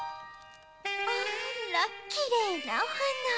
あらきれいなおはな。